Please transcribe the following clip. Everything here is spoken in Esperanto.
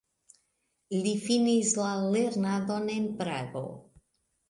Li finis la lernadon en Prago.